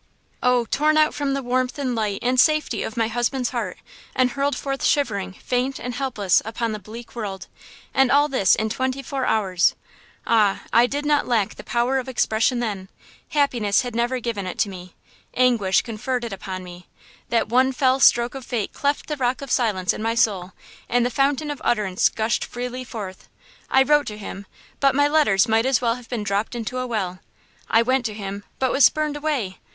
Oh, torn out from the warmth and light and safety of my husband's heart, and hurled forth shivering, faint and helpless upon the bleak world! and all this in twenty four hours. Ah, I did not lack the power of expression then! happiness had never given it to me! anguish conferred it upon me; that one fell stroke of fate cleft the rock of silence in my soul, and the fountain of utterance gushed freely forth! I wrote to him, but my letters might as well have been dropped into a well. I went to him, but was spurned away.